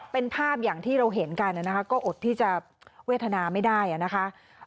เป็นภาพอย่างที่เราเห็นกันนะคะก็อดที่จะเวทนาไม่ได้นะคะ